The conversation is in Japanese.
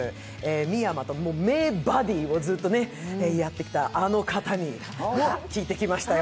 深山と名バディをずっとやってきたあの方にも聞いてきましたよ。